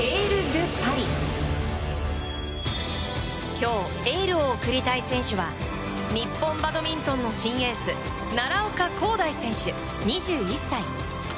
今日、エールを送りたい選手は日本バドミントンの新エース奈良岡功大選手、２１歳。